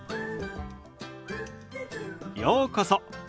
ようこそ。